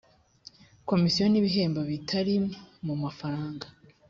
komisiyo n ibihembo bitari mu mafaranga